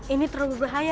ini terlalu bahaya